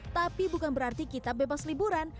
tapi bukan berarti kita bebas liburan